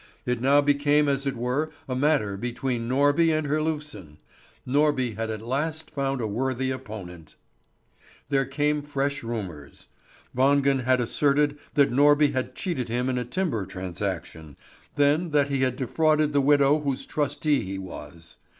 It now became as it were a matter between Norby and Herlufsen. Norby had at last found a worthy opponent. There came fresh rumours. Wangen had asserted that Norby had cheated him in a timber transaction; then that he had defrauded the widow whose trustee he was.